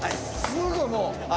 すぐもう。